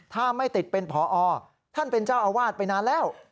ถ้าไม่ติดเป็นผอท่านเป็นเจ้าอาวาสไปนานแล้ว